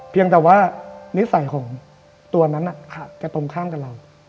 เพียงแต่ว่านิสัยของตัวนั้นจะตรงข้ามกับเรา